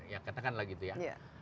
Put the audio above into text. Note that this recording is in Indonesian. ya katakanlah gitu ya